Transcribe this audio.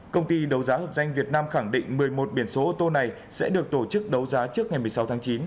công ty đấu giá hợp danh việt nam khẳng định một mươi một biển số ô tô này sẽ được tổ chức đấu giá trước ngày một mươi sáu tháng chín